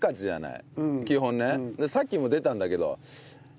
さっきも出たんだけど。